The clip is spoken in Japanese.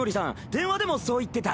電話でもそう言ってた。